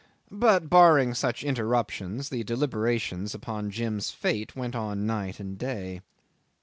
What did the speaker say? But, barring such interruptions, the deliberations upon Jim's fate went on night and day.